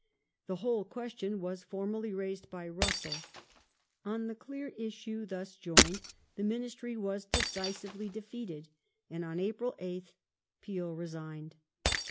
The whole question was formally raised by Russell. On the clear issue thus joined the Ministry was decisively defeated, and on April 8th Peel resigned.